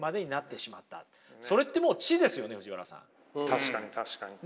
確かに確かに。